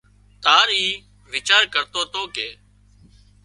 تار اي ويچار ڪرتو تو ڪي